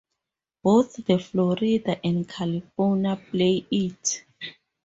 Both the Florida and California Play It!